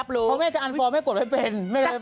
พอแม่จะอันสอบไม่กรวมให้เป็น